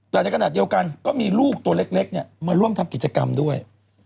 แต่ในขณะเดียวกันก็มีลูกตัวเล็กมาร่วมทำกิจกรรมด้วย